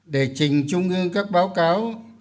để trình trung ương các báo cáo